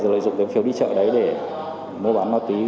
lợi dụng đến phiếu đi chợ đấy để mô bán ma túy